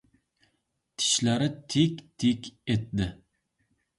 Tishlari tik-tik etdi.